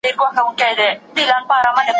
پرمختګ ممکن ګرځیدلی دی.